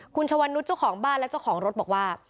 คุณชวนุษย์เจ้าของบ้านและเจ้าของรถบอกว่า